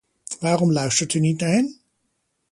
Waarom luistert u niet naar hen?